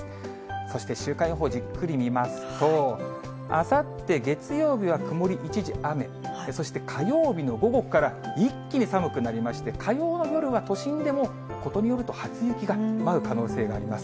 そして週間予報をじっくり見ますと、あさって月曜日は曇り一時雨、そして火曜日の午後から、一気に寒くなりまして、火曜の夜は、都心でも、ことによると初雪が舞う可能性があります。